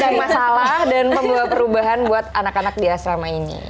ya pemicu masalah dan pembawa perubahan buat anak anak di asrama ini